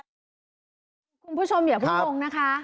คุณผู้ชมอย่าเพิ่งงงนะคะ